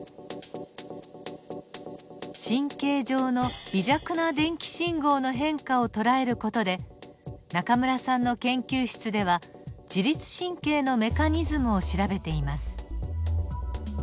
神経上の微弱な電気信号の変化を捉える事で中村さんの研究室では自律神経のメカニズムを調べています。